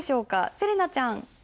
せれなちゃん。